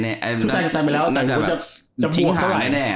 คือแสงไปแล้วแต่มันก็จะทิ้งหายแน่